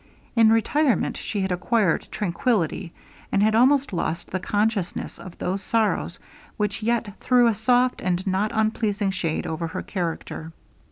In retirement she had acquired tranquillity, and had almost lost the consciousness of those sorrows which yet threw a soft and not unpleasing shade over her character.